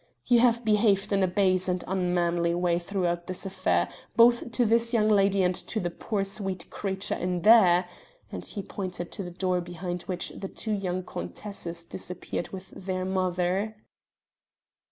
You have behaved in a base and unmanly way throughout this affair, both to this young lady and to the poor sweet creature in there...." and he pointed to the door behind which the two young countesses disappeared with their mother.